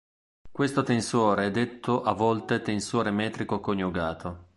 Questo tensore è detto a volte "tensore metrico coniugato".